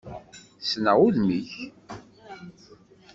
Ssneɣ udem-ik.